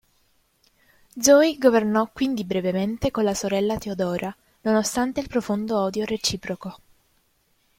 Zoe governò quindi brevemente con la sorella Teodora, nonostante il profondo odio reciproco.